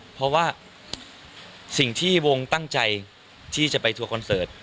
เพราะว่าสิ่งที่วงตั้งใจที่จะไปทัวร์คอนเสิร์ต